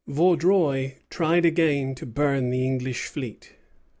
Vaudreuil tried again to burn the English fleet.